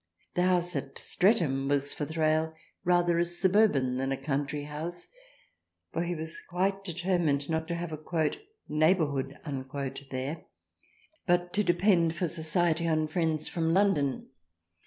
The house at Streatham was for Thrale rather a sub urban than a country house for he was quite deter mined not to have a " neighbourhood " there, but to depend for Society on friends from London.